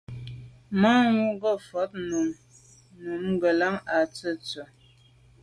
Manwù ke mfôg num mo’ ngelan à tèttswe’.